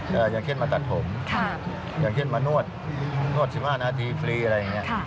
อย่างเช่นมาตัดผมค่ะอย่างเช่นมานวดนวด๑๕นาทีฟรีอะไรอย่างนี้